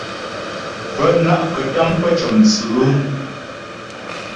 Bə́ ná'kətâm pə́ cə̌mstʉ̌'.